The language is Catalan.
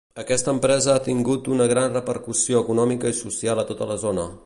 Aquesta empresa ha tingut una gran repercussió econòmica i social a tota la zona.